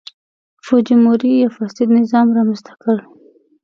فوجیموري یو فاسد نظام رامنځته کړ.